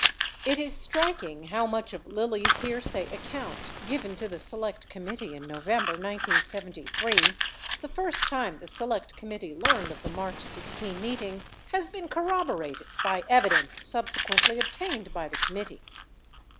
It is striking how much of Lilly's hearsay account, given to the Select Committee in November 1973 — the first time the Select Com mittee learned of the March 16 meeting — has been corroborated by evidence subsequently obtained by the committee.